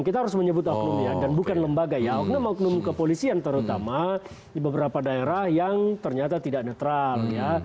kita harus menyebut oknum ya dan bukan lembaga ya oknum oknum kepolisian terutama di beberapa daerah yang ternyata tidak netral ya